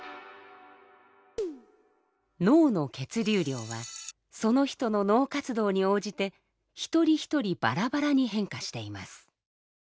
脳の血流量はその人の脳活動に応じて一人一人ばらばらに変化しています。